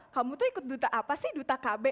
kamu tuh ikut duta apa sih duta kb